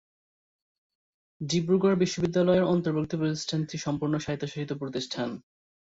ডিব্রুগড় বিশ্ববিদ্যালয়-এর অন্তর্ভুক্ত প্রতিষ্ঠানটি সম্পূর্ণ স্বায়ত্তশাসিত প্রতিষ্ঠান।